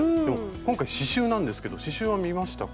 今回刺しゅうなんですけど刺しゅうは見ましたか？